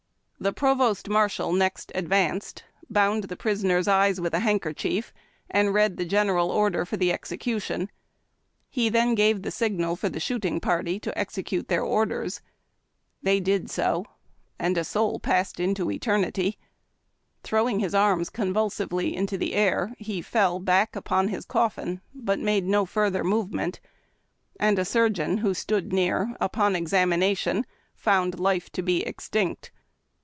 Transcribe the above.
The provost marshal next advanced, bound the prisoner's eyes with a handkerchief, and read the general order for the execution. He then gave the signal for the shooting party to execute their orders. They did so, and a soul passed into DEATH OK A DESERTER. eternity. Throwing his arms convulsively into the air, he fell back upon his coffin but made no farther movement, and a surgeon who stood near, upon examination, found life to be extinct.